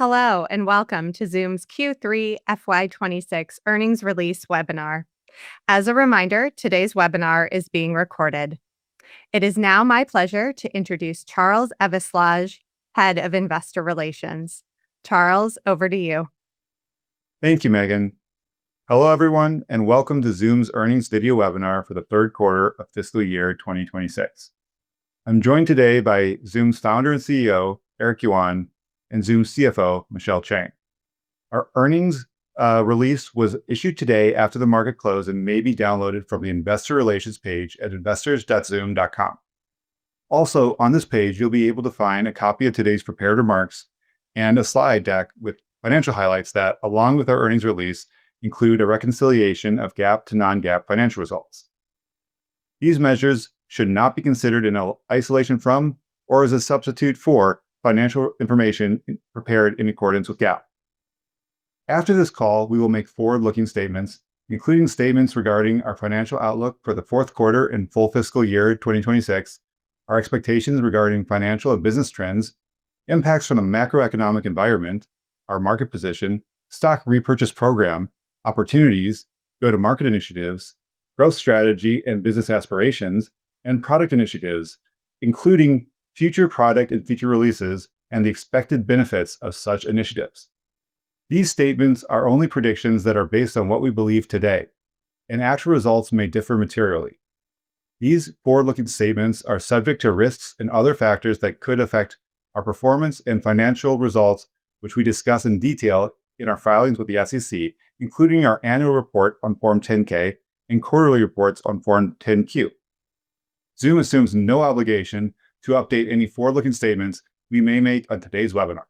Hello and welcome to Zoom's Q3 FY2026 Earnings Release webinar. As a reminder, today's webinar is being recorded. It is now my pleasure to introduce Charles Eveslage, Head of Investor Relations. Charles, over to you. Thank you, Megan. Hello everyone, and welcome to Zoom's earnings video webinar for the third quarter of fiscal year 2026. I'm joined today by Zoom's founder and CEO, Eric Yuan, and Zoom's CFO, Michelle Chang. Our earnings release was issued today after the market closed and may be downloaded from the Investor Relations page at investors.zoom.com. Also, on this page, you'll be able to find a copy of today's prepared remarks and a slide deck with financial highlights that, along with our earnings release, include a reconciliation of GAAP to non-GAAP financial results. These measures should not be considered in isolation from or as a substitute for financial information prepared in accordance with GAAP. After this call, we will make forward-looking statements, including statements regarding our financial outlook for the fourth quarter and full fiscal year 2026, our expectations regarding financial and business trends, impacts from the macroeconomic environment, our market position, stock repurchase program opportunities, go-to-market initiatives, growth strategy and business aspirations, and product initiatives, including future product and feature releases and the expected benefits of such initiatives. These statements are only predictions that are based on what we believe today, and actual results may differ materially. These forward-looking statements are subject to risks and other factors that could affect our performance and financial results, which we discuss in detail in our filings with the SEC, including our annual report on Form 10-K and quarterly reports on Form 10-Q. Zoom assumes no obligation to update any forward-looking statements we may make on today's webinar.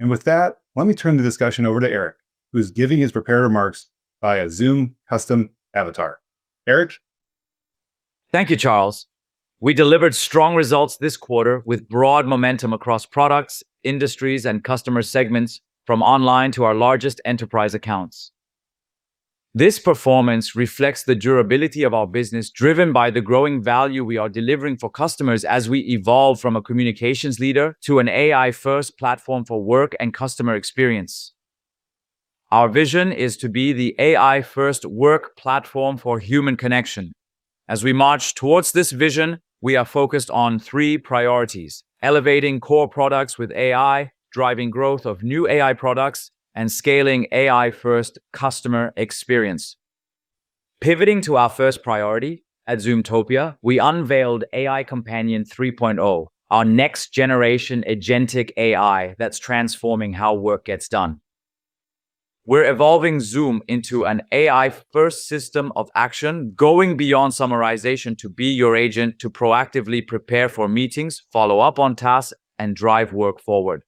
With that, let me turn the discussion over to Eric, who's giving his prepared remarks via Zoom Custom Avatar. Eric. Thank you, Charles. We delivered strong results this quarter with broad momentum across products, industries, and customer segments, from online to our largest enterprise accounts. This performance reflects the durability of our business, driven by the growing value we are delivering for customers as we evolve from a communications leader to an AI-first platform for work and customer experience. Our vision is to be the AI-first work platform for human connection. As we march towards this vision, we are focused on three priorities: elevating core products with AI, driving growth of new AI products, and scaling AI-first customer experience. Pivoting to our first priority at Zoomtopia, we unveiled AI Companion 3.0, our next-generation agentic AI that's transforming how work gets done. We're evolving Zoom into an AI-first system of action, going beyond summarization to be your agent to proactively prepare for meetings, follow up on tasks, and drive work forward.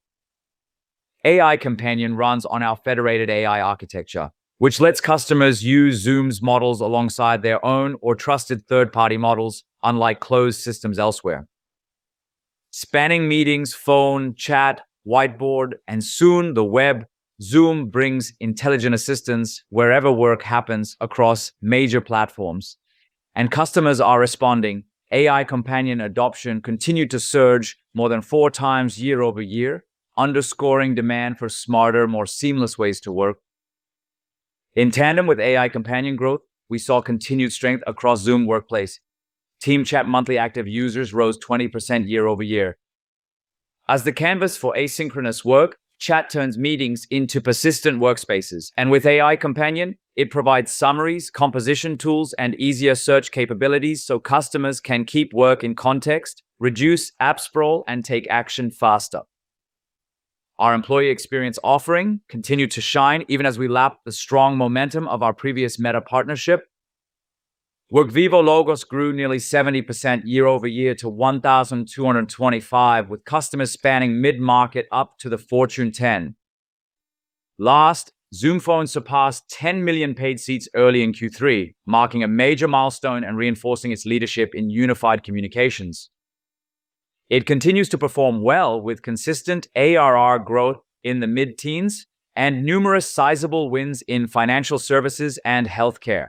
AI Companion runs on our federated AI architecture, which lets customers use Zoom's models alongside their own or trusted third-party models, unlike closed systems elsewhere. Spanning meetings, phone, chat, whiteboard, and soon the web, Zoom brings intelligent assistance wherever work happens across major platforms. Customers are responding. AI Companion adoption continued to surge more than four times year over year, underscoring demand for smarter, more seamless ways to work. In tandem with AI Companion growth, we saw continued strength across Zoom Workplace. Team Chat monthly active users rose 20% year over year. As the canvas for asynchronous work, chat turns meetings into persistent workspaces. With AI Companion, it provides summaries, composition tools, and easier search capabilities so customers can keep work in context, reduce app sprawl, and take action faster. Our employee experience offering continued to shine even as we lapped the strong momentum of our previous Meta partnership. Workvivo logos grew nearly 70% year over year to 1,225, with customers spanning mid-market up to the Fortune 10. Last, Zoom Phone surpassed 10 million paid seats early in Q3, marking a major milestone and reinforcing its leadership in unified communications. It continues to perform well with consistent ARR growth in the mid-teens and numerous sizable wins in financial services and healthcare.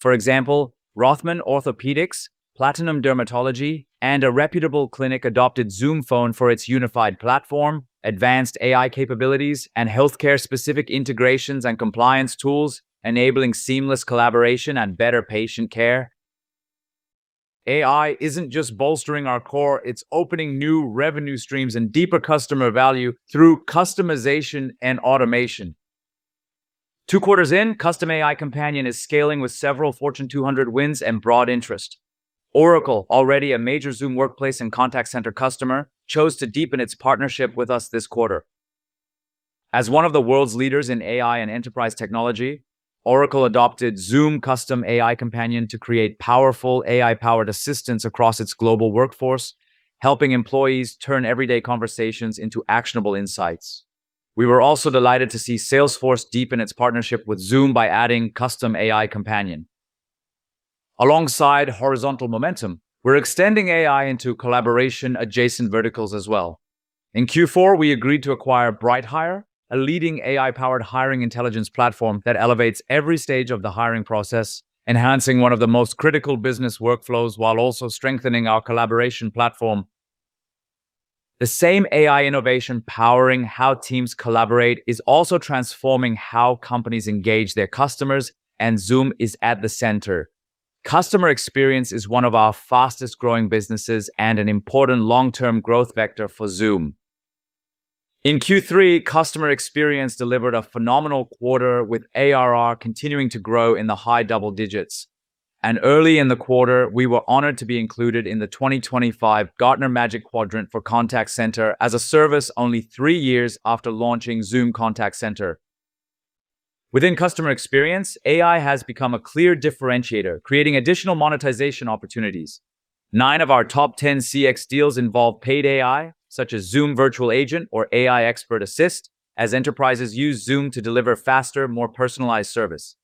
For example, Rothman Orthopedics, Platinum Dermatology, and a reputable clinic adopted Zoom Phone for its unified platform, advanced AI capabilities, and healthcare-specific integrations and compliance tools, enabling seamless collaboration and better patient care. AI isn't just bolstering our core; it's opening new revenue streams and deeper customer value through customization and automation. Two quarters in, Custom AI Companion is scaling with several Fortune 200 wins and broad interest. Oracle, already a major Zoom Workplace and Contact Center customer, chose to deepen its partnership with us this quarter. As one of the world's leaders in AI and enterprise technology, Oracle adopted Zoom Custom AI Companion to create powerful AI-powered assistants across its global workforce, helping employees turn everyday conversations into actionable insights. We were also delighted to see Salesforce deepen its partnership with Zoom by adding Custom AI Companion. Alongside horizontal momentum, we're extending AI into collaboration-adjacent verticals as well. In Q4, we agreed to acquire BrightHire, a leading AI-powered hiring intelligence platform that elevates every stage of the hiring process, enhancing one of the most critical business workflows while also strengthening our collaboration platform. The same AI innovation powering how teams collaborate is also transforming how companies engage their customers, and Zoom is at the center. Customer experience is one of our fastest-growing businesses and an important long-term growth vector for Zoom. In Q3, customer experience delivered a phenomenal quarter, with ARR continuing to grow in the high double digits. Early in the quarter, we were honored to be included in the 2025 Gartner Magic Quadrant for Contact Center as a Service only three years after launching Zoom Contact Center. Within customer experience, AI has become a clear differentiator, creating additional monetization opportunities. Nine of our top 10 CX deals involve paid AI, such as Zoom Virtual Agent or AI Expert Assist, as enterprises use Zoom to deliver faster, more personalized service.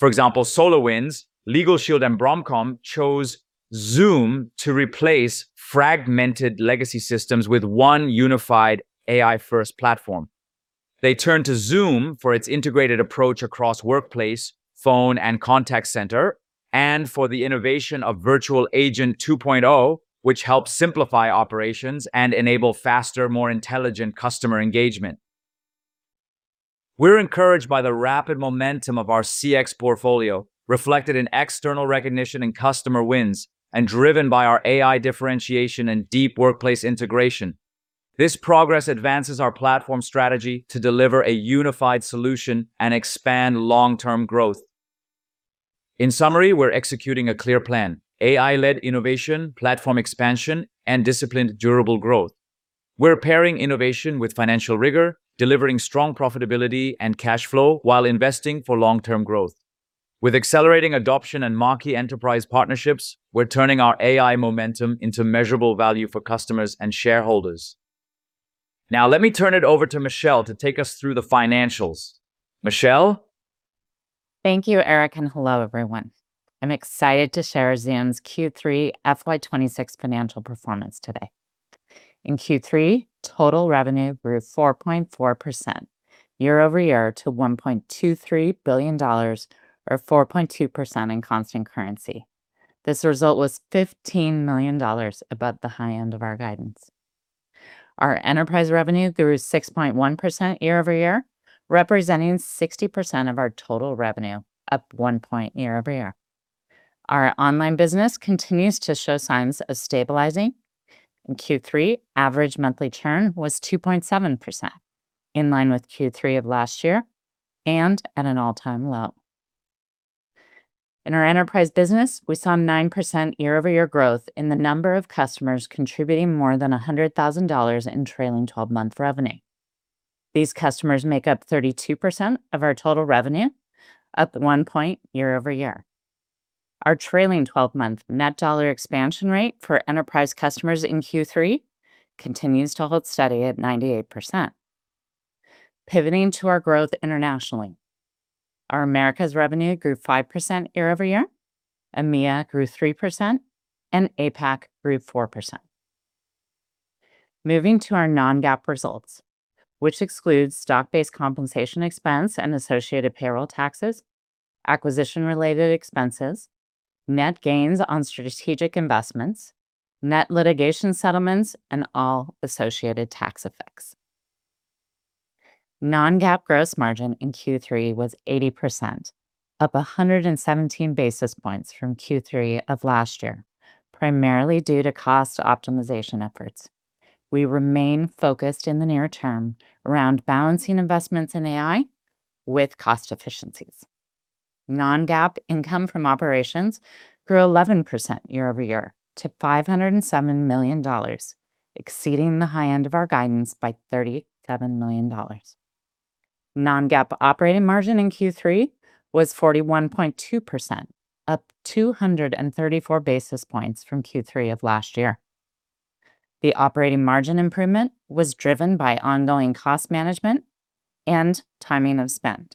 For example, SolarWinds, LegalShield, and Bromcom chose Zoom to replace fragmented legacy systems with one unified AI-first platform. They turned to Zoom for its integrated approach across workplace, phone, and contact center, and for the innovation of Virtual Agent 2.0, which helps simplify operations and enable faster, more intelligent customer engagement. We're encouraged by the rapid momentum of our CX portfolio, reflected in external recognition and customer wins, and driven by our AI differentiation and deep workplace integration. This progress advances our platform strategy to deliver a unified solution and expand long-term growth. In summary, we're executing a clear plan: AI-led innovation, platform expansion, and disciplined durable growth. We're pairing innovation with financial rigor, delivering strong profitability and cash flow while investing for long-term growth. With accelerating adoption and marquee enterprise partnerships, we're turning our AI momentum into measurable value for customers and shareholders. Now, let me turn it over to Michelle to take us through the financials. Michelle? Thank you, Eric, and hello everyone. I'm excited to share Zoom's Q3 FY2026 financial performance today. In Q3, total revenue grew 4.4% year-over-year to $1.23 billion, or 4.2% in constant currency. This result was $15 million above the high end of our guidance. Our enterprise revenue grew 6.1% year-over-year, representing 60% of our total revenue, up 1 point year-over-year. Our online business continues to show signs of stabilizing. In Q3, average monthly churn was 2.7%, in line with Q3 of last year and at an all-time low. In our enterprise business, we saw 9% year-over-year growth in the number of customers contributing more than $100,000 in trailing 12-month revenue. These customers make up 32% of our total revenue, up one point year over year. Our trailing 12-month net dollar expansion rate for enterprise customers in Q3 continues to hold steady at 98%. Pivoting to our growth internationally, our Americas revenue grew 5% year-over-year, EMEA grew 3%, and APAC grew 4%. Moving to our non-GAAP results, which excludes stock-based compensation expense and associated payroll taxes, acquisition-related expenses, net gains on strategic investments, net litigation settlements, and all associated tax effects. Non-GAAP gross margin in Q3 was 80%, up 117 basis points from Q3 of last year, primarily due to cost optimization efforts. We remain focused in the near term around balancing investments in AI with cost efficiencies. Non-GAAP income from operations grew 11% year-over-year to $507 million, exceeding the high end of our guidance by $37 million. Non-GAAP operating margin in Q3 was 41.2%, up 234 basis points from Q3 of last year. The operating margin improvement was driven by ongoing cost management and timing of spend.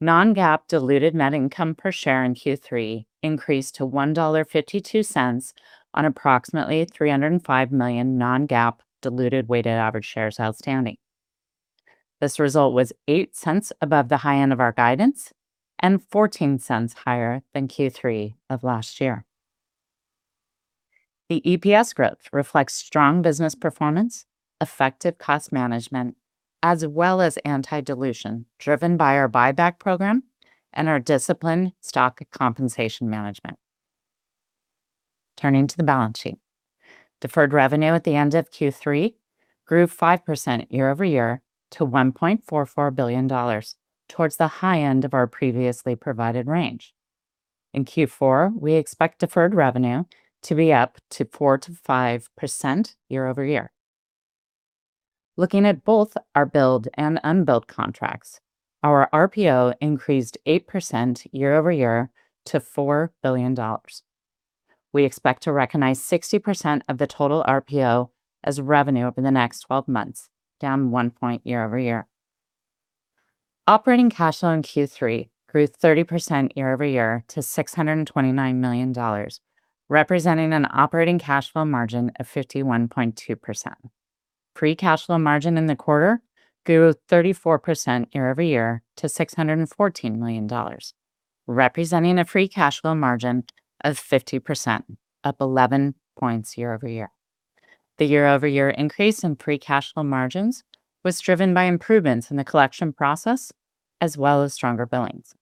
Non-GAAP diluted net income per share in Q3 increased to $1.52 on approximately 305 million non-GAAP diluted weighted average shares outstanding. This result was $0.08 above the high end of our guidance and $0.14 higher than Q3 of last year. The EPS growth reflects strong business performance, effective cost management, as well as anti-dilution driven by our buyback program and our disciplined stock compensation management. Turning to the balance sheet, deferred revenue at the end of Q3 grew 5% year-over-year to $1.44 billion, towards the high end of our previously provided range. In Q4, we expect deferred revenue to be up to 4-5% year-over-year. Looking at both our billed and unbilled contracts, our RPO increased 8% year-over-year to $4 billion. We expect to recognize 60% of the total RPO as revenue over the next 12 months, down one point year-over-year. Operating cash flow in Q3 grew 30% year-over-year to $629 million, representing an operating cash flow margin of 51.2%. Free cash flow margin in the quarter grew 34% year-over-year to $614 million, representing a free cash flow margin of 50%, up 11 points year-over-year. The year-over-year increase in free cash flow margins was driven by improvements in the collection process as well as stronger billings.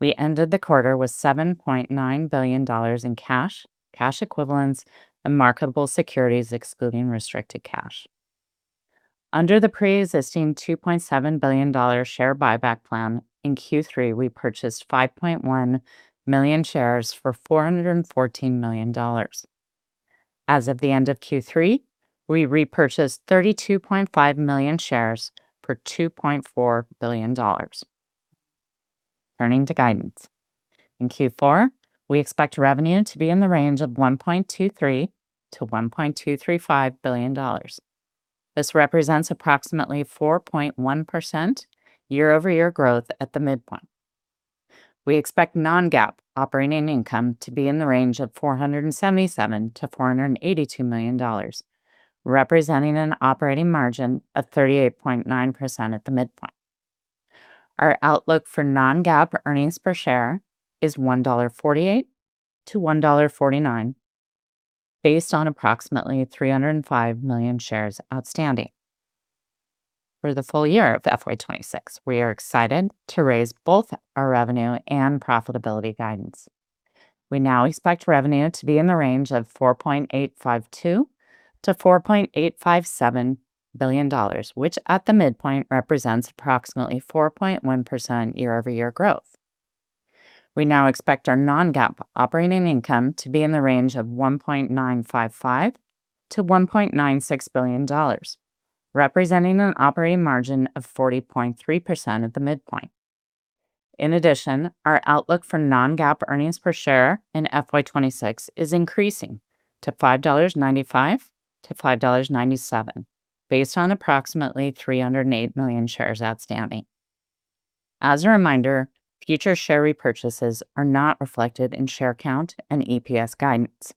We ended the quarter with $7.9 billion in cash, cash equivalents, and marketable securities excluding restricted cash. Under the pre-existing $2.7 billion share buyback plan, in Q3, we purchased 5.1 million shares for $414 million. As of the end of Q3, we repurchased 32.5 million shares for $2.4 billion. Turning to guidance, in Q4, we expect revenue to be in the range of $1.23 million-$1.235 billion. This represents approximately 4.1% year-over-year growth at the midpoint. We expect non-GAAP operating income to be in the range of $477 million-$482 million, representing an operating margin of 38.9% at the midpoint. Our outlook for non-GAAP earnings per share is $1.48-$1.49, based on approximately 305 million shares outstanding. For the full year of FY2026, we are excited to raise both our revenue and profitability guidance. We now expect revenue to be in the range of $4.852 million-$4.857 billion, which at the midpoint represents approximately 4.1% year-over-year growth. We now expect our non-GAAP operating income to be in the range of $1.955 million-$1.96 billion, representing an operating margin of 40.3% at the midpoint. In addition, our outlook for non-GAAP earnings per share in FY2026 is increasing to $5.95-$5.97, based on approximately 308 million shares outstanding. As a reminder, future share repurchases are not reflected in share count and EPS guidance.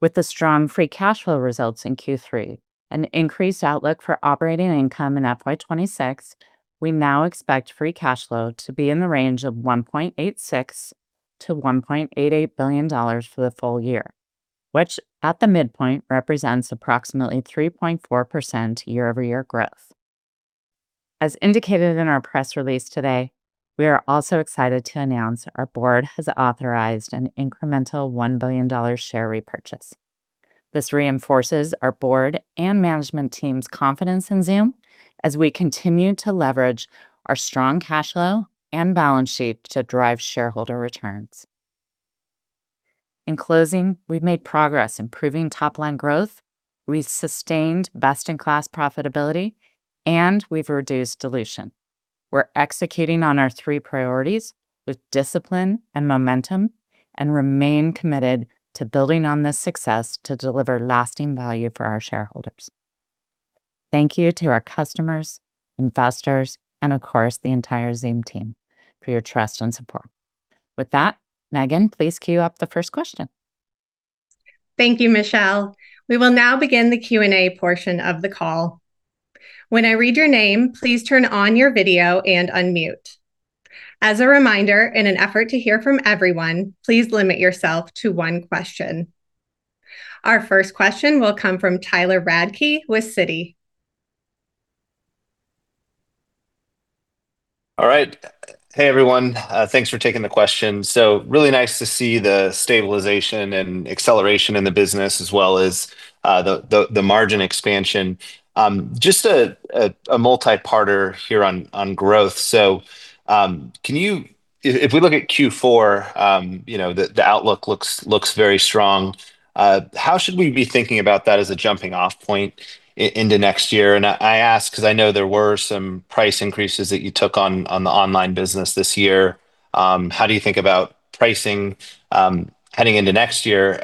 With the strong free cash flow results in Q3 and increased outlook for operating income in FY2026, we now expect free cash flow to be in the range of $1.86 billion-$1.88 billion for the full year, which at the midpoint represents approximately 3.4% year-over-year growth. As indicated in our press release today, we are also excited to announce our board has authorized an incremental $1 billion share repurchase. This reinforces our board and management team's confidence in Zoom as we continue to leverage our strong cash flow and balance sheet to drive shareholder returns. In closing, we've made progress improving top-line growth, we've sustained best-in-class profitability, and we've reduced dilution. We're executing on our three priorities with discipline and momentum and remain committed to building on this success to deliver lasting value for our shareholders. Thank you to our customers, investors, and of course, the entire Zoom team for your trust and support. With that, Megan, please queue up the first question. Thank you, Michelle. We will now begin the Q&A portion of the call. When I read your name, please turn on your video and unmute. As a reminder, in an effort to hear from everyone, please limit yourself to one question. Our first question will come from Tyler Radke with Citi. All right. Hey, everyone. Thanks for taking the question. Really nice to see the stabilization and acceleration in the business, as well as the margin expansion. Just a multi-parter here on growth. If we look at Q4, the outlook looks very strong. How should we be thinking about that as a jumping-off point into next year? I ask because I know there were some price increases that you took on the online business this year. How do you think about pricing heading into next year?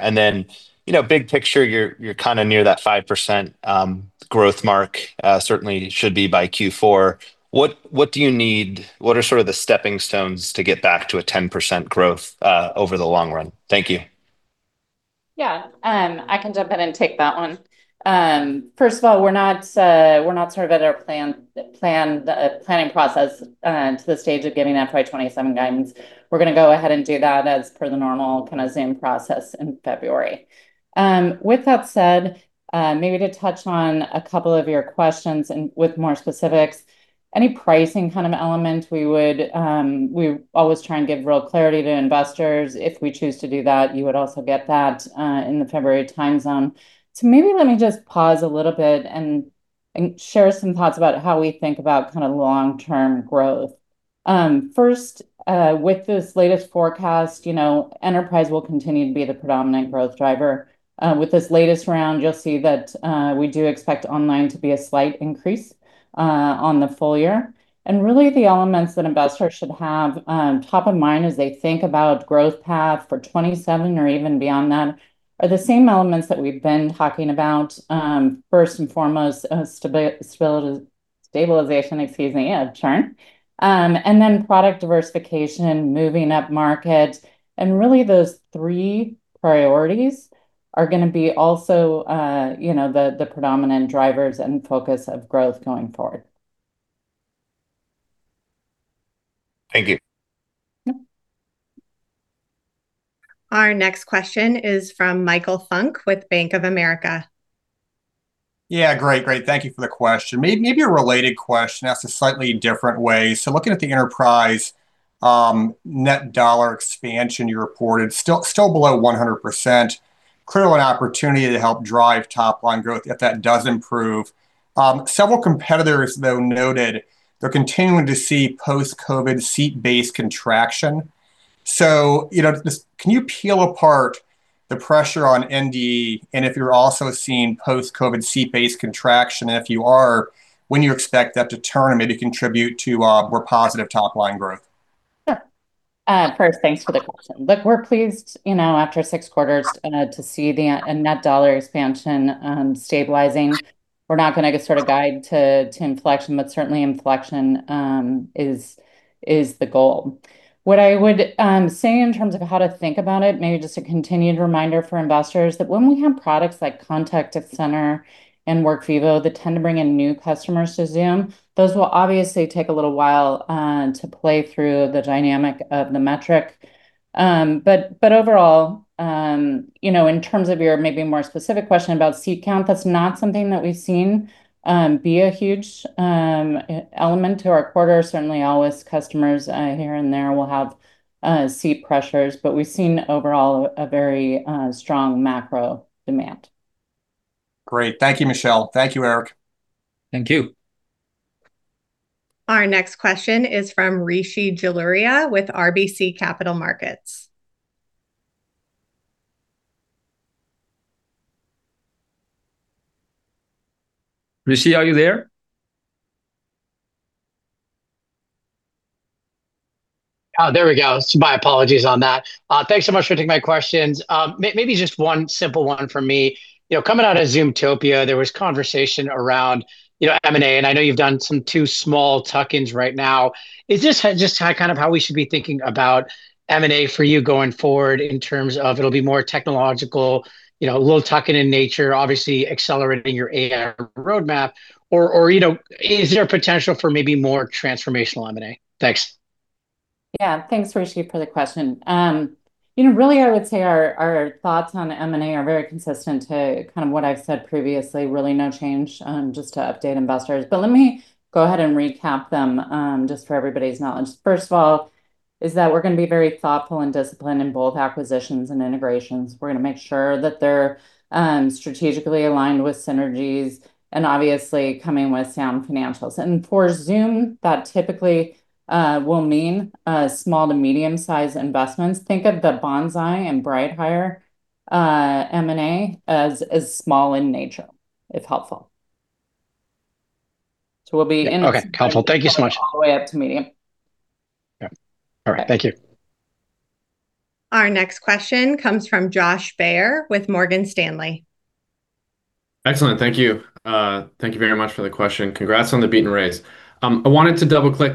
Big picture, you're kind of near that 5% growth mark. Certainly, it should be by Q4. What do you need? What are sort of the stepping stones to get back to a 10% growth over the long run? Thank you. Yeah, I can jump in and take that one. First of all, we're not sort of at our planning process to the stage of getting FY2027 guidance. We're going to go ahead and do that as per the normal kind of Zoom process in February. With that said, maybe to touch on a couple of your questions and with more specifics, any pricing kind of element we would always try and give real clarity to investors. If we choose to do that, you would also get that in the February time zone. Maybe let me just pause a little bit and share some thoughts about how we think about kind of long-term growth. First, with this latest forecast, enterprise will continue to be the predominant growth driver. With this latest round, you'll see that we do expect online to be a slight increase on the full year. Really, the elements that investors should have top of mind as they think about growth path for 2027 or even beyond that are the same elements that we've been talking about, first and foremost, stabilization, excuse me, churn, and then product diversification, moving up market. Really, those three priorities are going to be also the predominant drivers and focus of growth going forward. Thank you. Our next question is from Michael Funk with Bank of America. Yeah, great, great. Thank you for the question. Maybe a related question asked a slightly different way. Looking at the enterprise net dollar expansion you reported, still below 100%, clearly an opportunity to help drive top-line growth if that does improve. Several competitors, though, noted they're continuing to see post-COVID seat-based contraction. Can you peel apart the pressure on NDE, and if you're also seeing post-COVID seat-based contraction, and if you are, when you expect that to turn and maybe contribute to more positive top-line growth? Sure. First, thanks for the question. Look, we're pleased after six quarters to see the net dollar expansion stabilizing. We're not going to sort of guide to inflection, but certainly, inflection is the goal. What I would say in terms of how to think about it, maybe just a continued reminder for investors, that when we have products like Contact Center and Workvivo, that tend to bring in new customers to Zoom, those will obviously take a little while to play through the dynamic of the metric. Overall, in terms of your maybe more specific question about seat count, that's not something that we've seen be a huge element to our quarter. Certainly, always customers here and there will have seat pressures, but we've seen overall a very strong macro demand. Great. Thank you, Michelle. Thank you, Eric. Thank you. Our next question is from Rishi Jaluria with RBC Capital Markets. Rishi, are you there? Oh, there we go. My apologies on that. Thanks so much for taking my questions. Maybe just one simple one from me. Coming out of Zoomtopia, there was conversation around M&A, and I know you've done some too small tuck-ins right now. Is this just kind of how we should be thinking about M&A for you going forward in terms of it'll be more technological, a little tuck-in in nature, obviously accelerating your AI roadmap? Or is there a potential for maybe more transformational M&A? Thanks. Yeah, thanks, Rishi, for the question. Really, I would say our thoughts on M&A are very consistent to kind of what I've said previously, really no change, just to update investors. Let me go ahead and recap them just for everybody's knowledge. First of all, is that we're going to be very thoughtful and disciplined in both acquisitions and integrations. We're going to make sure that they're strategically aligned with synergies and obviously coming with sound financials. For Zoom, that typically will mean small to medium-sized investments. Think of the Bonsai and BrightHire M&A as small in nature, if helpful. We'll be in. Okay, helpful. Thank you so much. All the way up to medium. Okay. All right. Thank you. Our next question comes from Josh Baer with Morgan Stanley. Excellent. Thank you. Thank you very much for the question. Congrats on the beat and raise. I wanted to double-click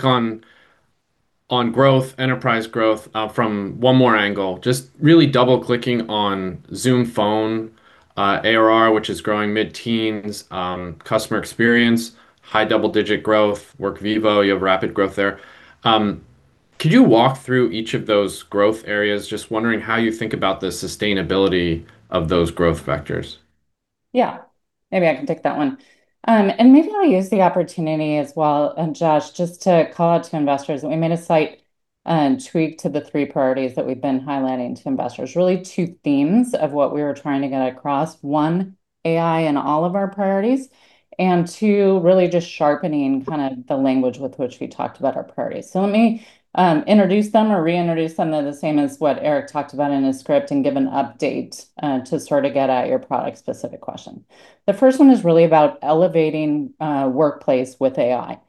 on growth, enterprise growth from one more angle, just really double-clicking on Zoom Phone, ARR, which is growing mid-teens, customer experience, high double-digit growth, Workvivo, you have rapid growth there. Could you walk through each of those growth areas, just wondering how you think about the sustainability of those growth factors? Yeah, maybe I can take that one. Maybe I'll use the opportunity as well, Josh, just to call out to investors that we made a slight tweak to the three priorities that we've been highlighting to investors, really two themes of what we were trying to get across. One, AI in all of our priorities, and two, really just sharpening kind of the language with which we talked about our priorities. Let me introduce them or reintroduce them the same as what Eric talked about in his script and give an update to sort of get at your product-specific question. The first one is really about elevating workplace with AI.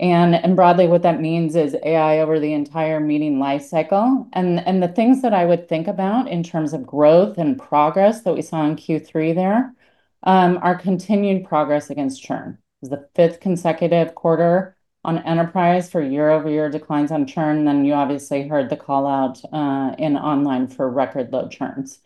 Broadly, what that means is AI over the entire meeting lifecycle. The things that I would think about in terms of growth and progress that we saw in Q3 there are continued progress against churn. It's the fifth consecutive quarter on enterprise for year-over-year declines on churn. You obviously heard the call-out in online for record low churns.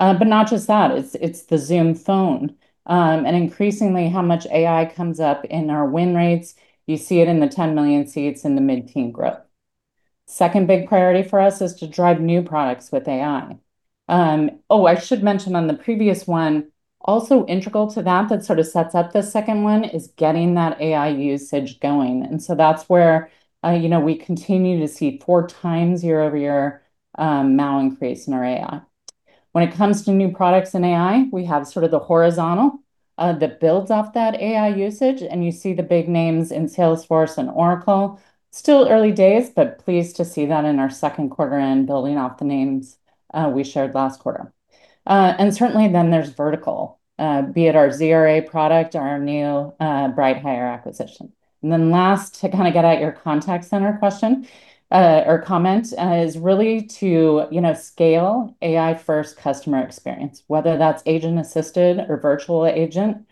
Not just that. It's the Zoom Phone. Increasingly, how much AI comes up in our win rates, you see it in the 10 million seats in the mid-team growth. Second big priority for us is to drive new products with AI. I should mention on the previous one, also integral to that that sort of sets up the second one is getting that AI usage going. That's where we continue to see four times year-over-year now increase in our AI. When it comes to new products in AI, we have sort of the horizontal that builds off that AI usage. You see the big names in Salesforce and Oracle. Still early days, but pleased to see that in our second quarter and building off the names we shared last quarter. Certainly, then there's vertical, be it our ZRA product or our new BrightHire acquisition. Last, to kind of get at your Contact Center question or comment is really to scale AI-first customer experience, whether that's agent-assisted or virtual agent.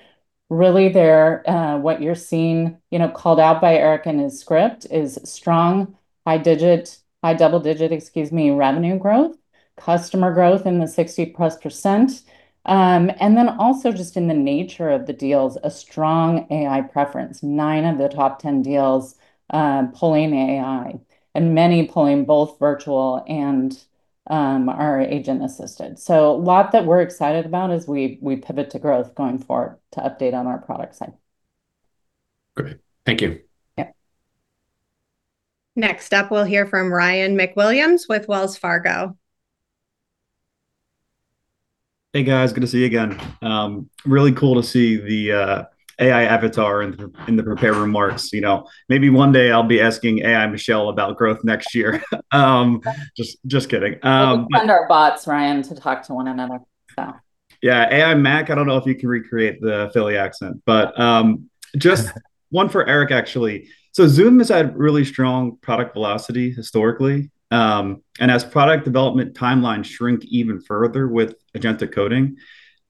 Really, what you're seeing called out by Eric in his script is strong, high double-digit revenue growth, customer growth in the 60+%. Also, just in the nature of the deals, a strong AI preference, nine of the top 10 deals pulling AI and many pulling both virtual and our agent-assisted. A lot that we're excited about as we pivot to growth going forward to update on our product side. Great. Thank you. Yep. Next up, we'll hear from Ryan MacWilliams with Wells Fargo. Hey, guys. Good to see you again. Really cool to see the AI avatar in the prepared remarks. Maybe one day I'll be asking AI Michelle about growth next year. Just kidding. We'll send our bots, Ryan, to talk to one another. Yeah. AI Mac, I don't know if you can recreate the Philly accent, but just one for Eric, actually. Zoom has had really strong product velocity historically. As product development timelines shrink even further with agentic coding,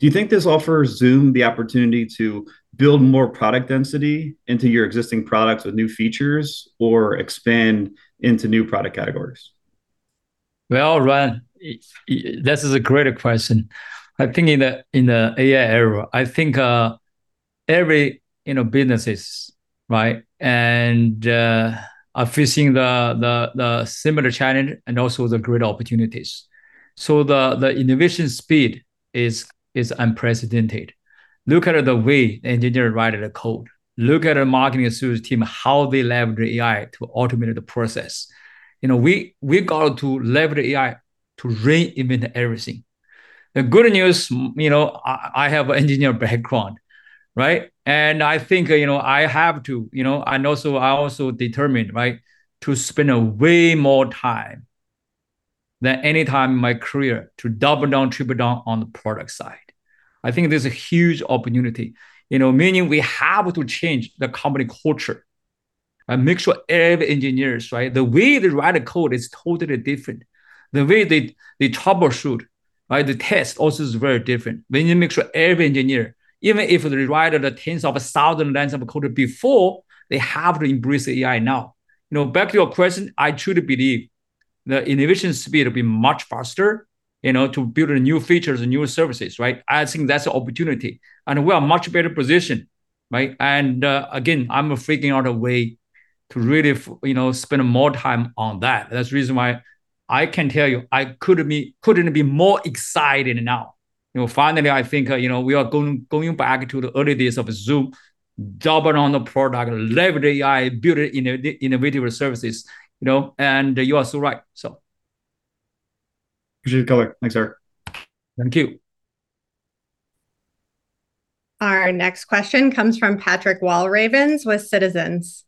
do you think this offers Zoom the opportunity to build more product density into your existing products with new features or expand into new product categories? Ryan, this is a great question. I'm thinking in the AI era, I think every business is, right, and facing the similar challenge and also the great opportunities. The innovation speed is unprecedented. Look at the way the engineer writes the code. Look at the marketing service team, how they leverage AI to automate the process. We got to leverage AI to reinvent everything. The good news, I have an engineer background, right? I think I have to, and also I also determined to spend way more time than any time in my career to double down, triple down on the product side. I think there's a huge opportunity, meaning we have to change the company culture and make sure every engineer, right, the way they write the code is totally different. The way they troubleshoot, the test also is very different. We need to make sure every engineer, even if they write the tens of thousand lines of code before, they have to embrace AI now. Back to your question, I truly believe the innovation speed will be much faster to build new features and new services, right? I think that's an opportunity. We are in a much better position, right? I am figuring out a way to really spend more time on that. That's the reason why I can tell you I could not be more excited now. Finally, I think we are going back to the early days of Zoom, double down on the product, leverage AI, build innovative services. You are so right, so. Appreciate the comment. Thanks, Eric. Thank you. Our next question comes from Patrick Wahl Ravens with Citizens.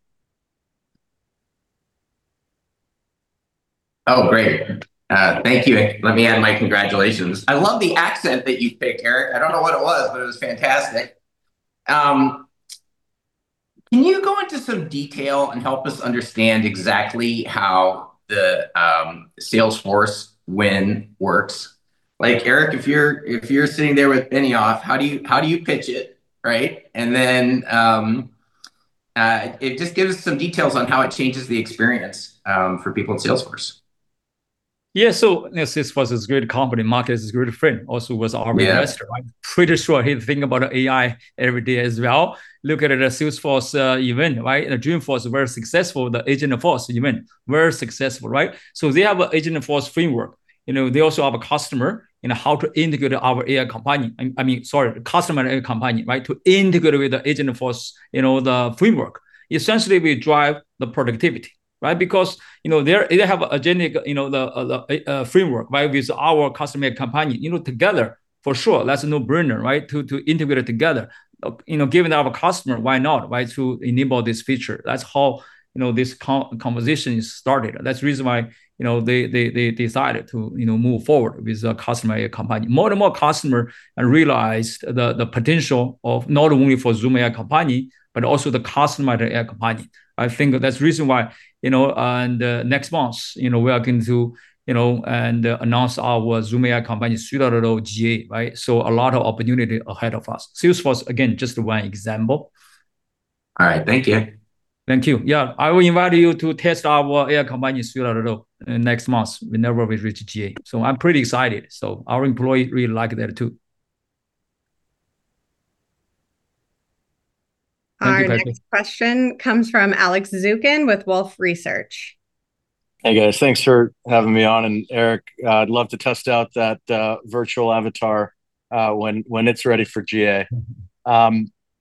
Oh, great. Thank you. Let me add my congratulations. I love the accent that you picked, Eric. I do not know what it was, but it was fantastic. Can you go into some detail and help us understand exactly how the Salesforce win works? Eric, if you are sitting there with Benioff, how do you pitch it, right? Just give us some details on how it changes the experience for people at Salesforce. Yeah. Salesforce is a great company. Marc is a great friend, also with our investor, right? Pretty sure he's thinking about AI every day as well. Look at the Salesforce event, right? The Dreamforce is very successful, the Agentforce event, very successful, right? They have an Agentforce framework. They also have a customer and how to integrate our AI company, I mean, sorry, customer and AI company, right, to integrate with the Agentforce framework. Essentially, we drive the productivity, right? Because they have a generic framework with our customer and company together, for sure. That's a no-brainer, right, to integrate it together. Given our customer, why not, right, to enable this feature? That's how this conversation started. That's the reason why they decided to move forward with a customer and a company. More and more customers realize the potential of not only for Zoom AI company, but also the customer and the AI company. I think that's the reason why. Next month, we are going to announce our Zoom AI Companion 3.0 GA, right? A lot of opportunity ahead of us. Salesforce, again, just one example. All right. Thank you. Thank you. Yeah. I will invite you to test our AI Companion 3.0 next month whenever we reach GA. I am pretty excited. Our employees really like that too. Our next question comes from Alex Zukin with Wolfe Research. Hey, guys. Thanks for having me on. Eric, I'd love to test out that virtual avatar when it's ready for GA.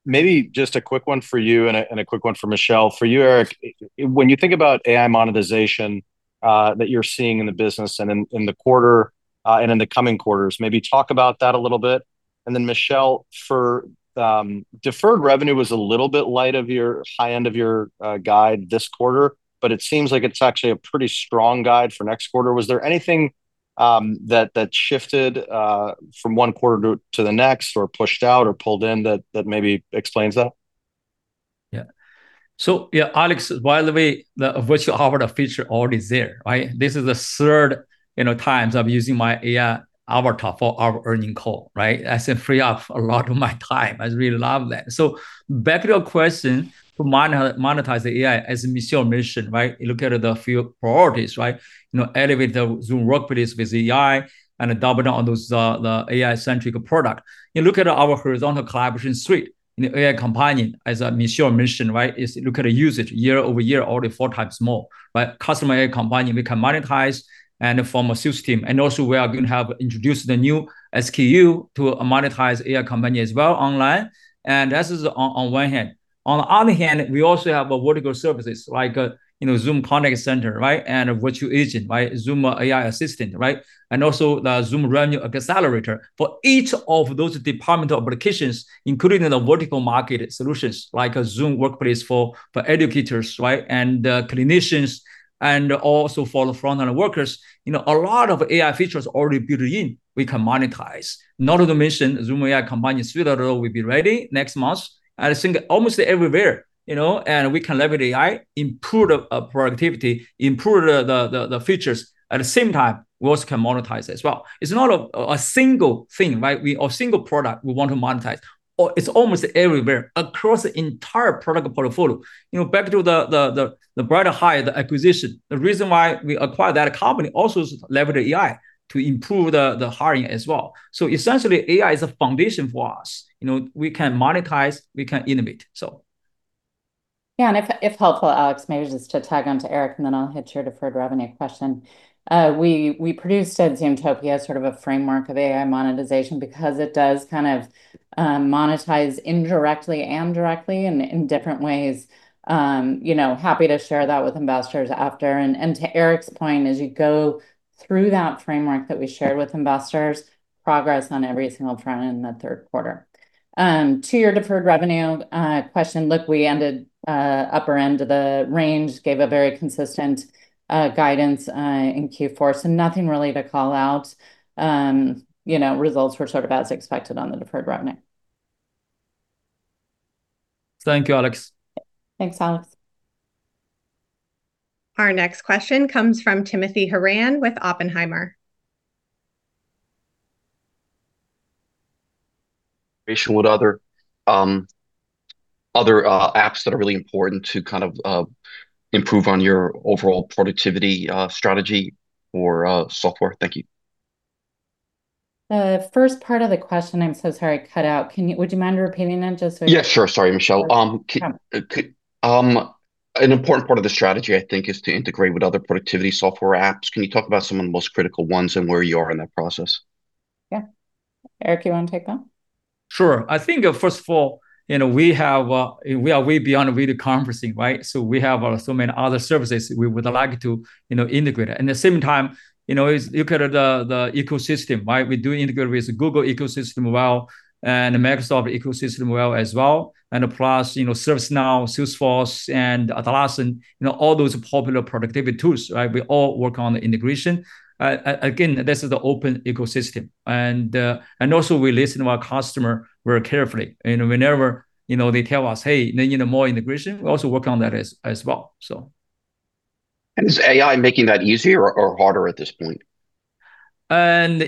Maybe just a quick one for you and a quick one for Michelle. For you, Eric, when you think about AI monetization that you're seeing in the business and in the quarter and in the coming quarters, maybe talk about that a little bit. Michelle, for deferred revenue was a little bit light of your high end of your guide this quarter, but it seems like it's actually a pretty strong guide for next quarter. Was there anything that shifted from one quarter to the next or pushed out or pulled in that maybe explains that? Yeah. Yeah, Alex, by the way, the virtual avatar feature already is there, right? This is the third time I'm using my AI avatar for our earning call, right? That frees up a lot of my time. I really love that. Back to your question to monetize the AI as Michelle mentioned, right? Look at the few priorities, right? Elevate the Zoom Workplace with AI and double down on the AI-centric product. You look at our horizontal collaboration suite in the AI company as Michelle mentioned, right? Look at the usage year over year, already four times more, right? Customer AI company, we can monetize and form a sales team. Also, we are going to have introduced the new SKU to monetize AI company as well online. That is on one hand. On the other hand, we also have vertical services like Zoom Contact Center, right, and Virtual Agent, right, Zoom AI Assistant, right? And also the Zoom Revenue Accelerator for each of those departmental applications, including the vertical market solutions like Zoom Workplace for educators, right, and clinicians, and also for the frontline workers. A lot of AI features already built in we can monetize. Not to mention Zoom AI Companion 3.0 will be ready next month. I think almost everywhere. We can leverage AI, improve productivity, improve the features. At the same time, we also can monetize as well. It's not a single thing, right? Or single product we want to monetize. It's almost everywhere across the entire product portfolio. Back to the BrightHire, the acquisition. The reason why we acquired that company also is leverage AI to improve the hiring as well. AI is a foundation for us. We can monetize. We can innovate, so. Yeah. If helpful, Alex, maybe just to tag on to Eric, and then I'll hit your deferred revenue question. We produced at Zoomtopia sort of a framework of AI monetization because it does kind of monetize indirectly and directly in different ways. Happy to share that with investors after. To Eric's point, as you go through that framework that we shared with investors, progress on every single trend in the third quarter. To your deferred revenue question, look, we ended upper end of the range, gave a very consistent guidance in Q4. Nothing really to call out. Results were sort of as expected on the deferred revenue. Thank you, Alex. Thanks, Alex. Our next question comes from Timothy Hiran with Oppenheimer. What other apps that are really important to kind of improve on your overall productivity strategy or software? Thank you. The first part of the question, I'm so sorry, cut out. Would you mind repeating that just so? Yeah, sure. Sorry, Michelle. An important part of the strategy, I think, is to integrate with other productivity software apps. Can you talk about some of the most critical ones and where you are in that process? Yeah. Eric, you want to take that? Sure. I think, first of all, we are way beyond video conferencing, right? We have so many other services we would like to integrate. At the same time, look at the ecosystem, right? We do integrate with Google ecosystem well and Microsoft ecosystem well as well. Plus ServiceNow, Salesforce, and Atlassian, all those popular productivity tools, right? We all work on the integration. Again, this is the open ecosystem. Also, we listen to our customer very carefully. Whenever they tell us, "Hey, they need more integration," we also work on that as well. Is AI making that easier or harder at this point?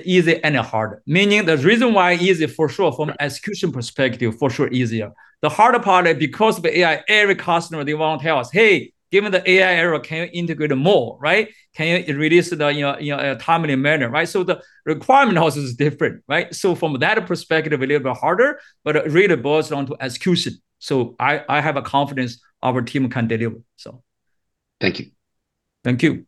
Easier and harder. Meaning the reason why easy, for sure, from an execution perspective, for sure easier. The harder part is because of AI, every customer, they want to tell us, "Hey, given the AI era, can you integrate more, right? Can you release it in a timely manner, right?" The requirement also is different, right? From that perspective, a little bit harder, but really boils down to execution. I have confidence our team can deliver. Thank you. Thank you.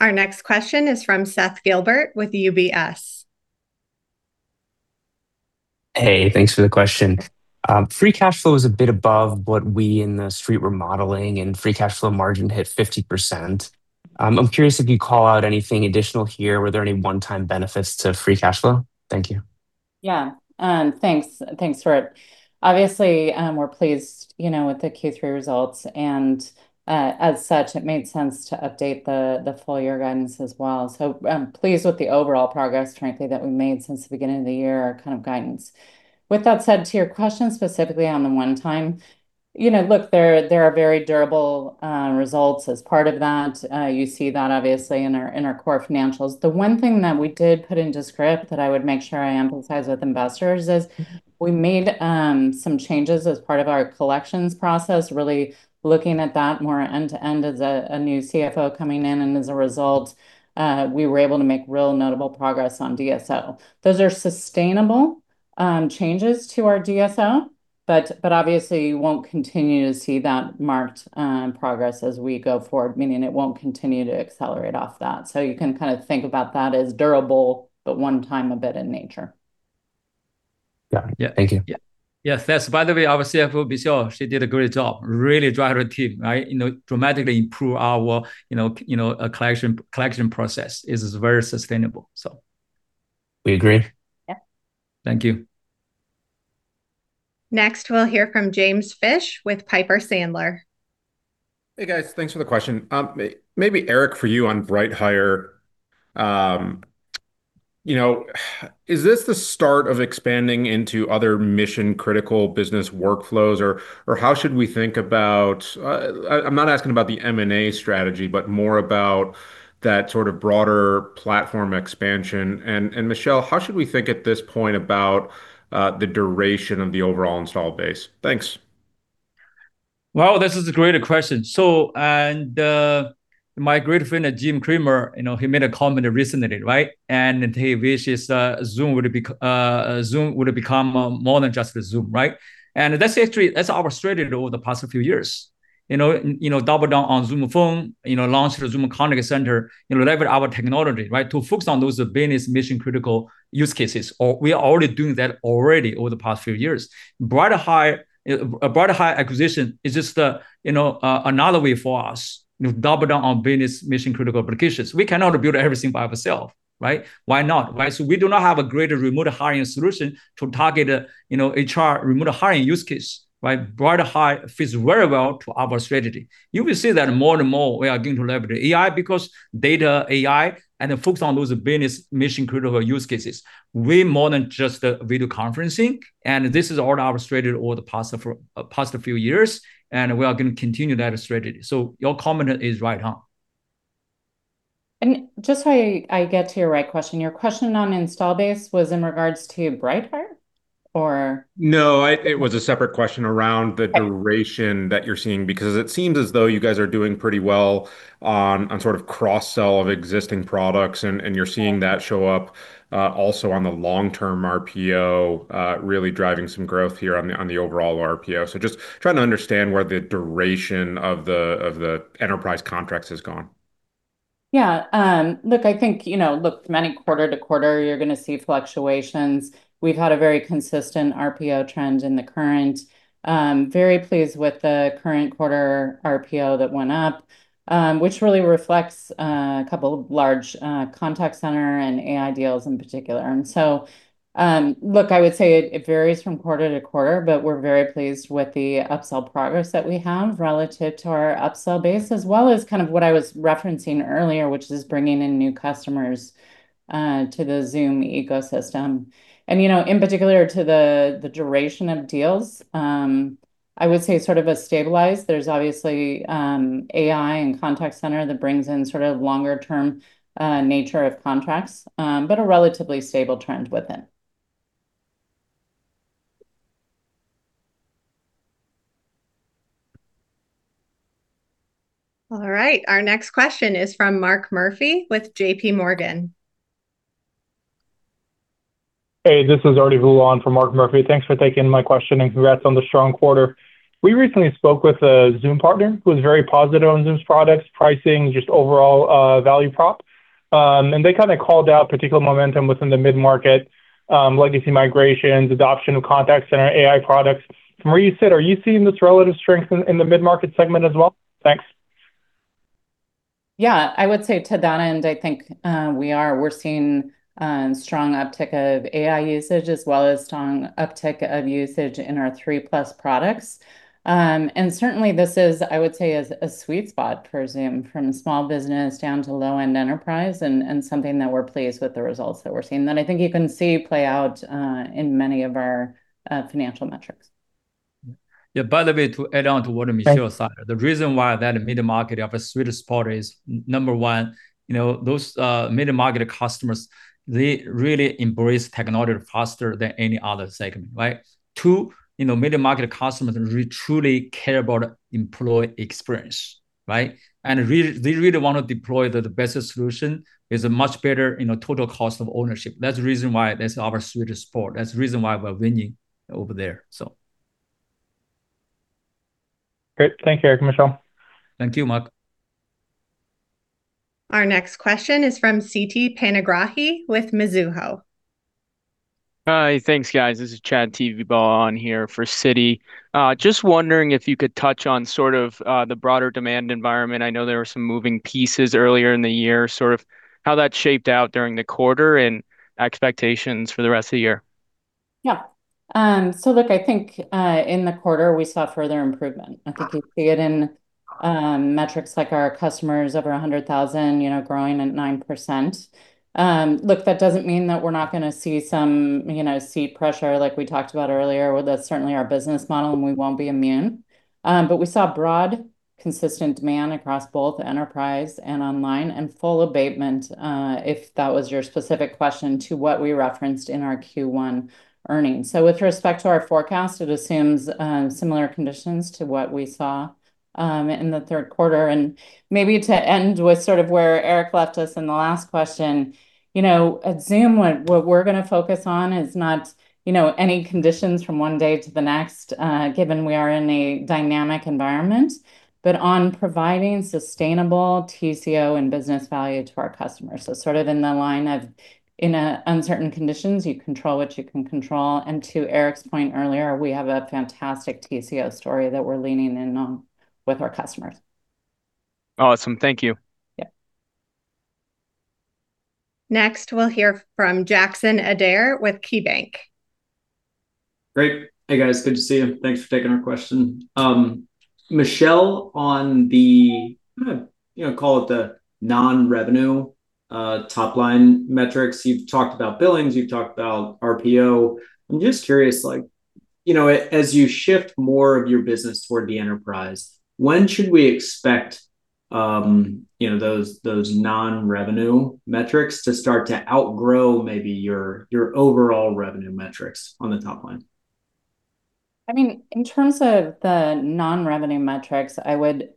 Our next question is from Seth Gilbert with UBS. Hey, thanks for the question. Free cash flow is a bit above what we in the street were modeling, and free cash flow margin hit 50%. I'm curious if you call out anything additional here. Were there any one-time benefits to free cash flow? Thank you. Yeah. Thanks. Thanks, Rick. Obviously, we're pleased with the Q3 results. As such, it made sense to update the full year guidance as well. I'm pleased with the overall progress, frankly, that we made since the beginning of the year kind of guidance. With that said, to your question specifically on the one-time, look, there are very durable results as part of that. You see that obviously in our core financials. The one thing that we did put into script that I would make sure I emphasize with investors is we made some changes as part of our collections process, really looking at that more end-to-end as a new CFO coming in. As a result, we were able to make real notable progress on DSO. Those are sustainable changes to our DSO, but obviously, you will not continue to see that marked progress as we go forward, meaning it will not continue to accelerate off that. You can kind of think about that as durable, but one-time a bit in nature. Yeah. Thank you. Yeah. Yes. Thanks. By the way, our CFO, Michelle, she did a great job, really drive her team, right? Dramatically improve our collection process. It is very sustainable. We agree. Yeah. Thank you. Next, we'll hear from James Fish with Piper Sandler. Hey, guys. Thanks for the question. Maybe Eric, for you on BrightHire, is this the start of expanding into other mission-critical business workflows, or how should we think about I'm not asking about the M&A strategy, but more about that sort of broader platform expansion? Michelle, how should we think at this point about the duration of the overall install base? Thanks. This is a great question. My great friend, Jim Cramer, made a comment recently, right? He wishes Zoom would become more than just a Zoom, right? That is actually our strategy over the past few years. Double down on Zoom Phone, launch the Zoom Contact Center, leverage our technology, right, to focus on those business mission-critical use cases. We are already doing that over the past few years. BrightHire acquisition is just another way for us to double down on business mission-critical applications. We cannot build everything by ourselves, right? Why not? We do not have a greater remote hiring solution to target HR remote hiring use case, right? BrightHire fits very well to our strategy. You will see that more and more we are going to leverage AI because data AI and focus on those business mission-critical use cases way more than just video conferencing. This is all our strategy over the past few years. We are going to continue that strategy. Your comment is right, huh? Just so I get to your right question, your question on install base was in regards to BrightHire, or? No, it was a separate question around the duration that you're seeing because it seems as though you guys are doing pretty well on sort of cross-sell of existing products, and you're seeing that show up also on the long-term RPO, really driving some growth here on the overall RPO. Just trying to understand where the duration of the enterprise contracts has gone. Yeah. Look, I think, look, from any quarter-to-quarter, you're going to see fluctuations. We've had a very consistent RPO trend in the current. Very pleased with the current quarter RPO that went up, which really reflects a couple of large contact center and AI deals in particular. I would say it varies from quarter to quarter, but we're very pleased with the upsell progress that we have relative to our upsell base, as well as kind of what I was referencing earlier, which is bringing in new customers to the Zoom ecosystem. In particular, to the duration of deals, I would say sort of a stabilize. There's obviously AI and contact center that brings in sort of longer-term nature of contracts, but a relatively stable trend with it. All right. Our next question is from Mark Murphy with JP Morgan. Hey, this is Ardy Vuon from Mark Murphy. Thanks for taking my question and congrats on the strong quarter. We recently spoke with a Zoom partner who was very positive on Zoom's products, pricing, just overall value prop. They kind of called out particular momentum within the mid-market, legacy migrations, adoption of contact center AI products. From where you sit, are you seeing this relative strength in the mid-market segment as well? Thanks. Yeah. I would say to that end, I think we're seeing strong uptick of AI usage, as well as strong uptick of usage in our three-plus products. Certainly, this is, I would say, a sweet spot for Zoom from small business down to low-end enterprise and something that we're pleased with the results that we're seeing that I think you can see play out in many of our financial metrics. Yeah. By the way, to add on to what Michelle said, the reason why that mid-market of a sweet spot is, number one, those mid-market customers, they really embrace technology faster than any other segment, right? Two, mid-market customers truly care about employee experience, right? They really want to deploy the best solution with a much better total cost of ownership. That is the reason why that is our sweet spot. That is the reason why we are winning over there. Great. Thank you, Eric, Michelle. Thank you, Mark. Our next question is from Siti Panagrahi with Mizuho. Hi, thanks, guys. This is Chad Tevebaugh here for Citi. Just wondering if you could touch on sort of the broader demand environment. I know there were some moving pieces earlier in the year, sort of how that shaped out during the quarter and expectations for the rest of the year. Yeah. Look, I think in the quarter, we saw further improvement. I think you see it in metrics like our customers over $100,000 growing at 9%. That does not mean that we are not going to see some seat pressure like we talked about earlier. That is certainly our business model, and we will not be immune. We saw broad, consistent demand across both enterprise and online and full abatement, if that was your specific question, to what we referenced in our Q1 earnings. With respect to our forecast, it assumes similar conditions to what we saw in the third quarter. Maybe to end with sort of where Eric left us in the last question, at Zoom, what we're going to focus on is not any conditions from one day to the next, given we are in a dynamic environment, but on providing sustainable TCO and business value to our customers. Sort of in the line of, in uncertain conditions, you control what you can control. And to Eric's point earlier, we have a fantastic TCO story that we're leaning in on with our customers. Awesome. Thank you. Yeah. Next, we'll hear from Jackson Ader with KeyBanc. Great. Hey, guys. Good to see you. Thanks for taking our question. Michelle, on the, I'm going to call it the non-revenue top-line metrics, you've talked about billings, you've talked about RPO. I'm just curious, as you shift more of your business toward the enterprise, when should we expect those non-revenue metrics to start to outgrow maybe your overall revenue metrics on the top line? I mean, in terms of the non-revenue metrics, I would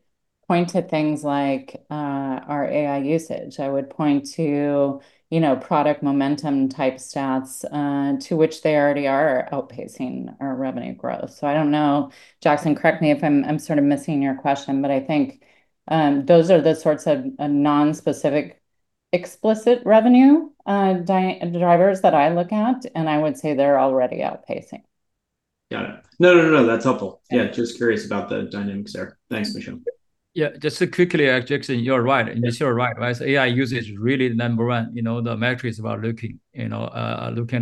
point to things like our AI usage. I would point to product momentum-type stats to which they already are outpacing our revenue growth. I do not know, Jackson, correct me if I am sort of missing your question, but I think those are the sorts of non-specific explicit revenue drivers that I look at, and I would say they are already outpacing. Got it. No, no, no. That's helpful. Yeah. Just curious about the dynamics there. Thanks, Michelle. Yeah. Just to quickly add, Jackson, you're right. And you're right, right? AI usage is really number one. The metrics we are looking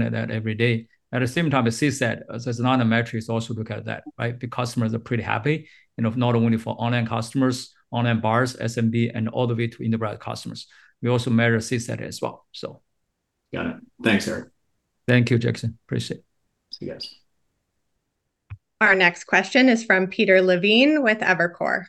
at every day. At the same time, CSAT, that's another metric. Also look at that, right? The customers are pretty happy, not only for online customers, online bars, SMB, and all the way to enterprise customers. We also measure CSAT as well, so. Got it. Thanks, Eric. Thank you, Jackson. Appreciate it. See you guys. Our next question is from Peter Levine with Evercore.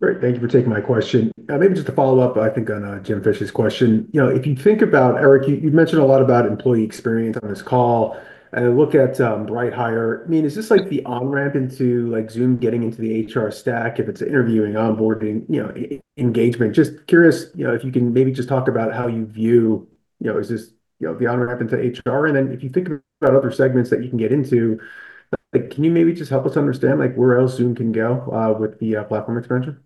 Great. Thank you for taking my question. Maybe just to follow up, I think, on Jim Fish's question. If you think about, Eric, you've mentioned a lot about employee experience on this call. I look at BrightHire. I mean, is this like the on-ramp into Zoom getting into the HR stack, if it's interviewing, onboarding, engagement? Just curious if you can maybe just talk about how you view, is this the on-ramp into HR? If you think about other segments that you can get into, can you maybe just help us understand where else Zoom can go with the platform expansion?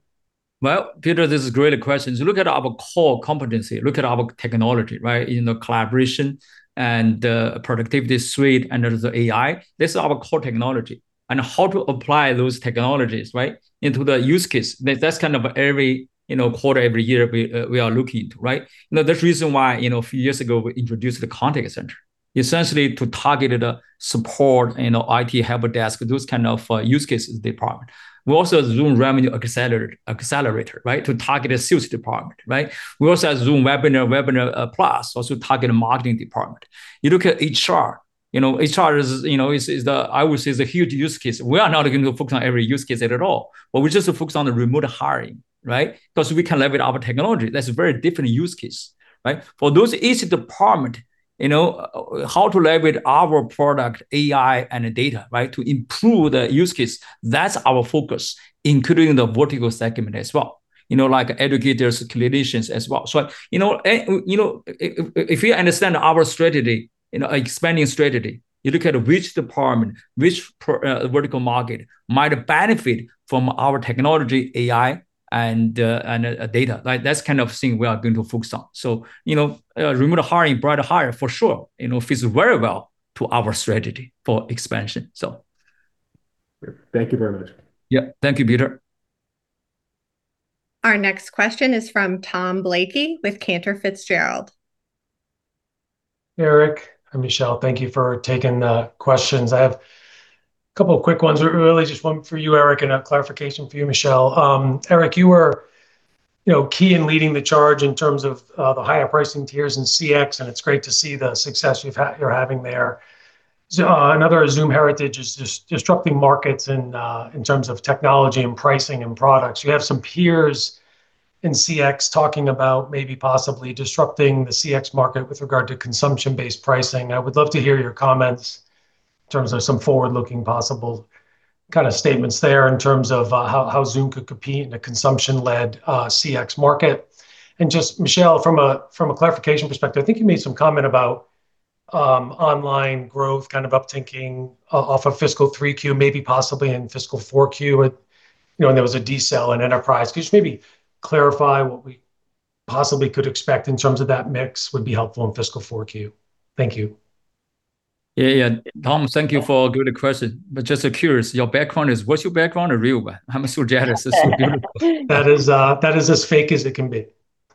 Peter, this is a great question. You look at our core competency, look at our technology, right? In the collaboration and the productivity suite under the AI, this is our core technology. And how to apply those technologies, right, into the use case. That's kind of every quarter, every year we are looking into, right? That's the reason why a few years ago we introduced the contact center, essentially to target support, IT help desk, those kind of use cases department. We also have Zoom Revenue Accelerator, right, to target the sales department, right? We also have Zoom Webinars, Webinars Plus, also target the marketing department. You look at HR. HR is, I would say, is a huge use case. We are not going to focus on every use case at all, but we just focus on the remote hiring, right? Because we can leverage our technology. That's a very different use case, right? For those, each department, how to leverage our product, AI, and data, right, to improve the use case. That's our focus, including the vertical segment as well, like educators, clinicians as well. If you understand our strategy, expanding strategy, you look at which department, which vertical market might benefit from our technology, AI, and data. That's the kind of thing we are going to focus on. Remote hiring, BrightHire, for sure, fits very well to our strategy for expansion. Great. Thank you very much. Yeah. Thank you, Peter. Our next question is from Tom Blakey with Cantor Fitzgerald. Hey, Eric. I'm Michelle. Thank you for taking the questions. I have a couple of quick ones. Really just one for you, Eric, and a clarification for you, Michelle. Eric, you were key in leading the charge in terms of the higher pricing tiers in CX, and it's great to see the success you're having there. Another Zoom heritage is disrupting markets in terms of technology and pricing and products. You have some peers in CX talking about maybe possibly disrupting the CX market with regard to consumption-based pricing. I would love to hear your comments in terms of some forward-looking possible kind of statements there in terms of how Zoom could compete in a consumption-led CX market. Michelle, from a clarification perspective, I think you made some comment about online growth kind of upticking off of fiscal 3Q, maybe possibly in fiscal 4Q when there was a desell in enterprise. Could you just maybe clarify what we possibly could expect in terms of that mix would be helpful in fiscal 4Q? Thank you. Yeah, yeah. Tom, thank you for a good question. Just curious, your background is what's your background? A real one. I'm so jealous. It's so beautiful. That is as fake as it can be.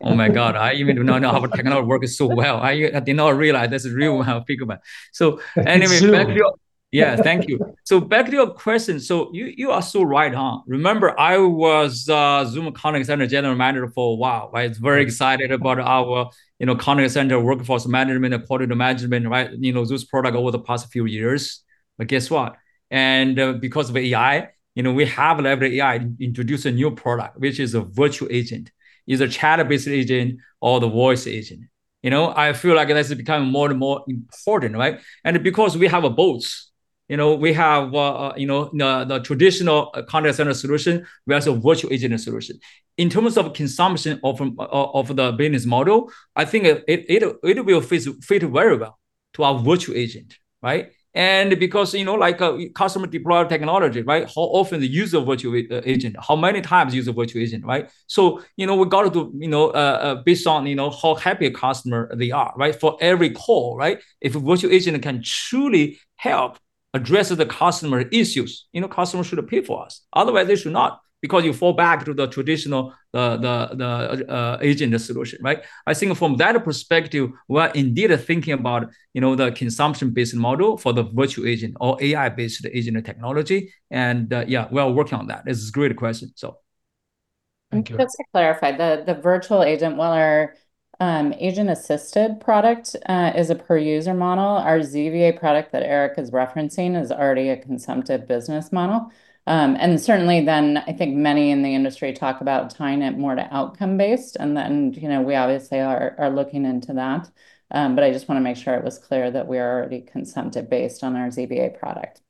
Oh my God. I even did not know how technology works so well. I did not realize that's a real one. I'll figure it out. Anyway, back to your. That's true. Yeah. Thank you. Back to your question. You are so right, huh? Remember, I was Zoom Contact Center general manager for a while, right? Very excited about our contact center workforce management, quarterly management, right? Zoom's product over the past few years. Guess what? Because of AI, we have leveraged AI, introduced a new product, which is a virtual agent. It's a chat-based agent or the voice agent. I feel like that's becoming more and more important, right? Because we have both. We have the traditional contact center solution. We also have a virtual agent solution. In terms of consumption of the business model, I think it will fit very well to our virtual agent, right? Because customer deployed technology, right? How often do you use a virtual agent? How many times do you use a virtual agent, right? We got to do based on how happy a customer they are, right, for every call, right? If a virtual agent can truly help address the customer's issues, customers should pay for us. Otherwise, they should not because you fall back to the traditional agent solution, right? I think from that perspective, we're indeed thinking about the consumption-based model for the virtual agent or AI-based agent technology. Yeah, we are working on that. This is a great question, so. Thank you. Just to clarify, the virtual agent, while our agent-assisted product is a per-user model, our ZVA product that Eric is referencing is already a consumptive business model. Certainly, I think many in the industry talk about tying it more to outcome-based. We obviously are looking into that. I just want to make sure it was clear that we are already consumptive-based on our ZVA product.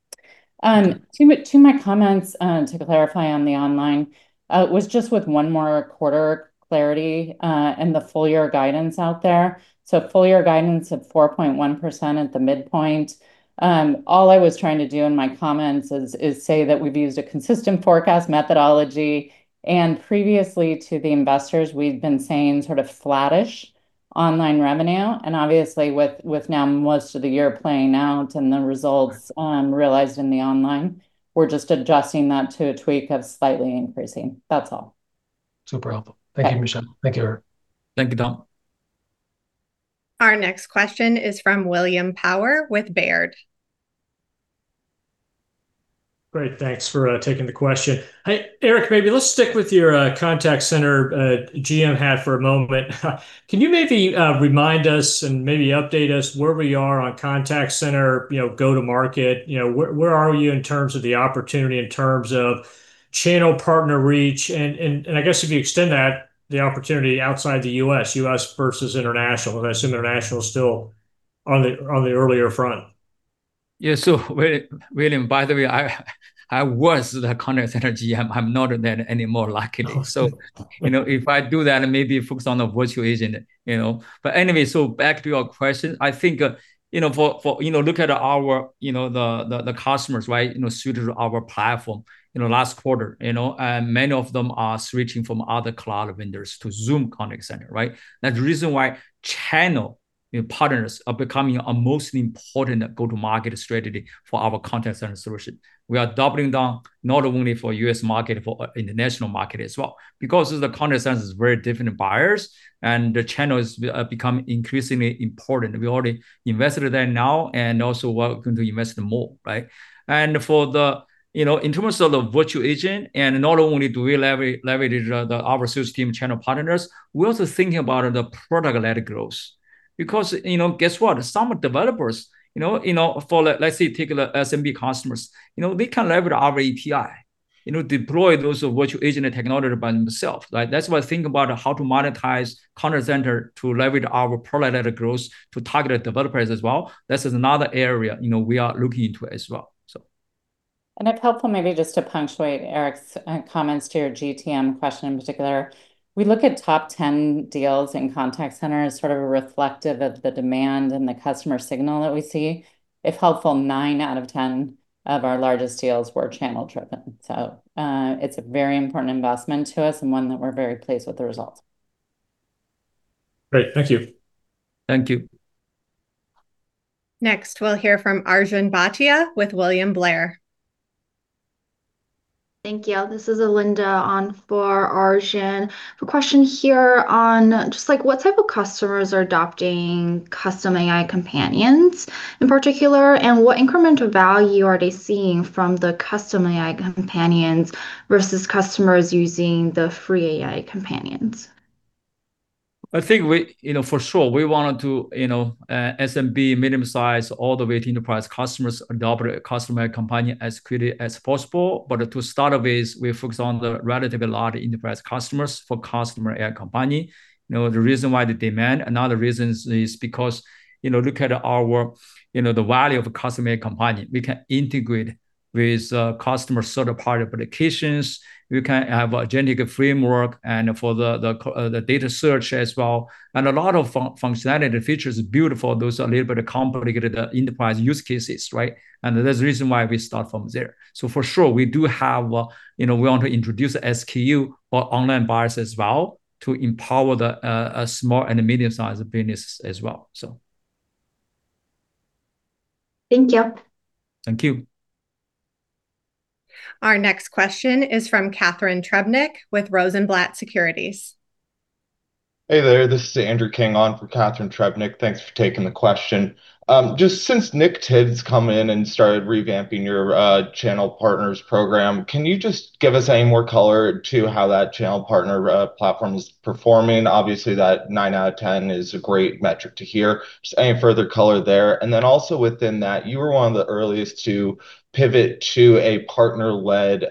Two of my comments to clarify on the online was just with one more quarter clarity and the full-year guidance out there. Full-year guidance of 4.1% at the midpoint. All I was trying to do in my comments is say that we've used a consistent forecast methodology. Previously, to the investors, we've been saying sort of flattish online revenue. Obviously, with now most of the year playing out and the results realized in the online, we're just adjusting that to a tweak of slightly increasing. That's all. Super helpful. Thank you, Michelle. Thank you, Eric. Thank you, Tom. Our next question is from William Power with Baird. Great. Thanks for taking the question. Hey, Eric, maybe let's stick with your contact center GM hat for a moment. Can you maybe remind us and maybe update us where we are on contact center, go-to-market? Where are you in terms of the opportunity in terms of channel partner reach? I guess if you extend that, the opportunity outside the U.S., U.S. versus international, because I assume international is still on the earlier front. Yeah. William, by the way, I was the Contact Center GM. I'm not that anymore, luckily. If I do that, maybe focus on the Virtual Agent. Anyway, back to your question, I think look at the customers, right, suited to our platform last quarter. Many of them are switching from other cloud vendors to Zoom Contact Center, right? That's the reason why channel partners are becoming a most important go-to-market strategy for our Contact Center solution. We are doubling down not only for the U.S. market, but for international market as well. The Contact Center is very different buyers, and the channel has become increasingly important. We already invested there now and also are going to invest more, right? In terms of the Virtual Agent, not only do we leverage our sales team channel partners, we're also thinking about the product-led growth. Because guess what? Some developers, for let's say, take the SMB customers, they can leverage our API, deploy those virtual agent technology by themselves, right? That's why I think about how to monetize contact center to leverage our product-led growth to target developers as well. That's another area we are looking into as well. If helpful, maybe just to punctuate Eric's comments to your GTM question in particular, we look at top 10 deals in contact centers sort of reflective of the demand and the customer signal that we see. If helpful, nine out of 10 of our largest deals were channel-driven. It is a very important investment to us and one that we're very pleased with the results. Great. Thank you. Thank you. Next, we'll hear from Arjun Bhatia with William Blair. Thank you. This is Alinda on for Arjun. The question here on just what type of customers are adopting custom AI companions in particular, and what incremental value are they seeing from the custom AI companions versus customers using the free AI companions? I think for sure, we want to SMB, medium-sized, all the way to enterprise customers adopt customer AI Companion as quickly as possible. To start with, we focus on the relatively large enterprise customers for customer AI Companion. The reason why the demand, another reason is because look at our the value of a customer AI Companion. We can integrate with customer third-party applications. We can have a generic framework and for the data search as well. A lot of functionality and features are built for those a little bit complicated enterprise use cases, right? That is the reason why we start from there. For sure, we do have we want to introduce SKU or online bars as well to empower the small and medium-sized business as well, so. Thank you. Thank you. Our next question is from Catharine Trebnick with Rosenblatt Securities. Hey there. This is Andrew King on for Catharine Trebnick. Thanks for taking the question. Just since Nick Tibbs come in and started revamping your channel partners program, can you just give us any more color to how that channel partner platform is performing? Obviously, that nine out of 10 is a great metric to hear. Just any further color there. Also within that, you were one of the earliest to pivot to a partner-led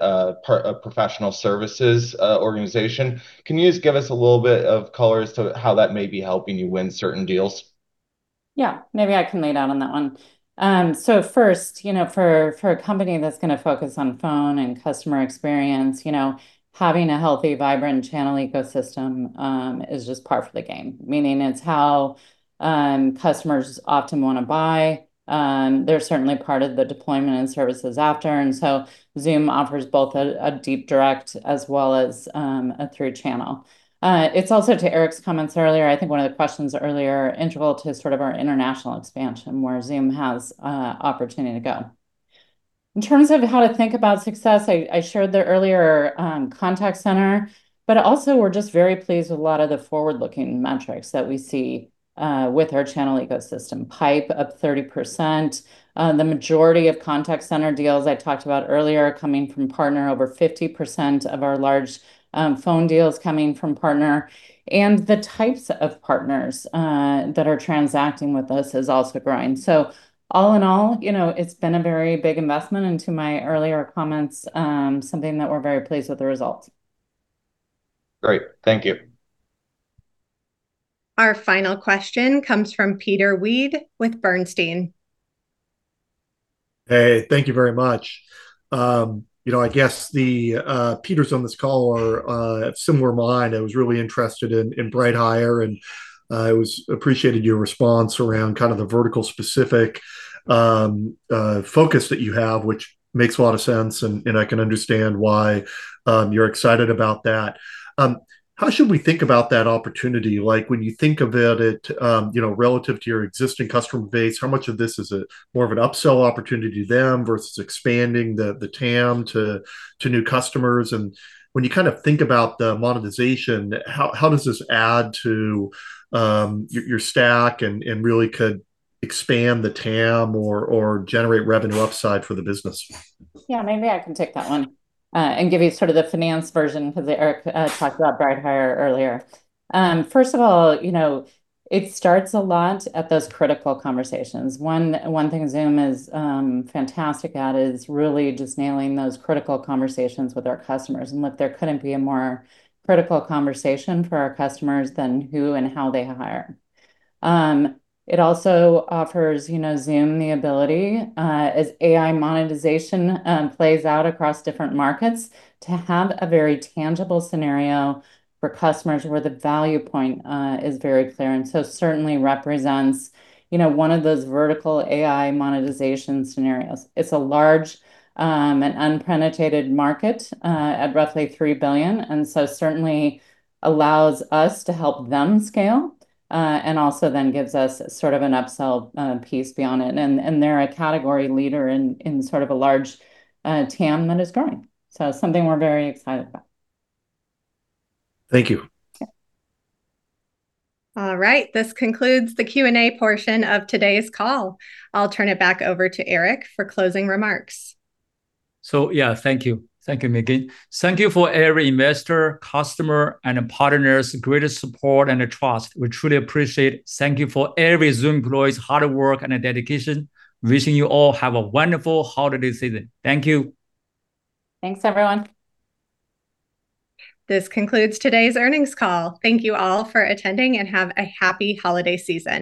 professional services organization. Can you just give us a little bit of colors to how that may be helping you win certain deals? Yeah. Maybe I can lead out on that one. First, for a company that's going to focus on phone and customer experience, having a healthy, vibrant channel ecosystem is just par for the game. Meaning it's how customers often want to buy. They're certainly part of the deployment and services after. Zoom offers both a deep direct as well as a through channel. It is also to Eric's comments earlier. I think one of the questions earlier is integral to sort of our international expansion where Zoom has opportunity to go. In terms of how to think about success, I shared the earlier contact center, but also we're just very pleased with a lot of the forward-looking metrics that we see with our channel ecosystem. Pipe up 30%. The majority of contact center deals I talked about earlier are coming from partner, over 50% of our large phone deals coming from partner. The types of partners that are transacting with us is also growing. All in all, it's been a very big investment into my earlier comments, something that we're very pleased with the results. Great. Thank you. Our final question comes from Peter Weed with Bernstein. Hey, thank you very much. I guess the Peters on this call are of similar mind. I was really interested in BrightHire, and I appreciated your response around kind of the vertical-specific focus that you have, which makes a lot of sense, and I can understand why you're excited about that. How should we think about that opportunity? When you think of it relative to your existing customer base, how much of this is more of an upsell opportunity to them versus expanding the TAM to new customers? When you kind of think about the monetization, how does this add to your stack and really could expand the TAM or generate revenue upside for the business? Yeah, maybe I can take that one and give you sort of the finance version because Eric talked about BrightHire earlier. First of all, it starts a lot at those critical conversations. One thing Zoom is fantastic at is really just nailing those critical conversations with our customers. Look, there couldn't be a more critical conversation for our customers than who and how they hire. It also offers Zoom the ability, as AI monetization plays out across different markets, to have a very tangible scenario for customers where the value point is very clear and certainly represents one of those vertical AI monetization scenarios. It is a large and unpredicated market at roughly $3 billion, and certainly allows us to help them scale and also then gives us sort of an upsell piece beyond it. They're a category leader in sort of a large TAM that is growing. That is something we're very excited about. Thank you. All right. This concludes the Q&A portion of today's call. I'll turn it back over to Eric for closing remarks. Thank you. Thank you, Megan. Thank you for every investor, customer, and partner's greatest support and trust. We truly appreciate it. Thank you for every Zoom employee's hard work and dedication. Wishing you all have a wonderful holiday season. Thank you. Thanks, everyone. This concludes today's earnings call. Thank you all for attending and have a happy holiday season.